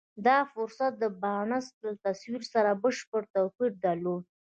دا فرصت د بارنس له تصور سره بشپړ توپير درلود.